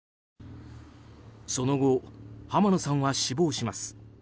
その後浜野さんは死亡します。